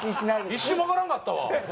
一瞬わからんかったわ。